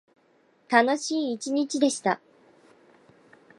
楽しい一日でした。